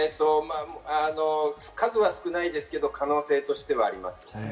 数は少ないですけれども、可能性としてはあります。